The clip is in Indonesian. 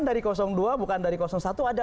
dari dua bukan dari satu ada